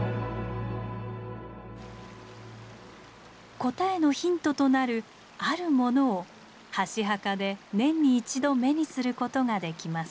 答えのヒントとなるあるものを箸墓で年に一度目にすることができます。